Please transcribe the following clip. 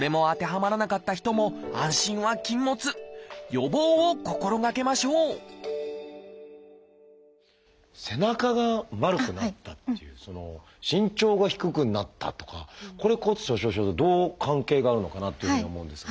予防を心がけましょう「背中が丸くなった」っていう「身長が低くなった」とかこれ骨粗しょう症とどう関係があるのかなっていうふうに思うんですが。